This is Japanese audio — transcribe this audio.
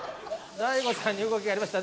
大悟さんに動きがありました。